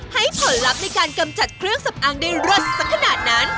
ให้ผลลัพธ์ในการกำจัดเครื่องสำอางได้เลิศสักขนาดนั้น